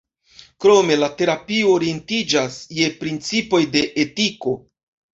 Krome la terapio orientiĝas je principoj de etiko.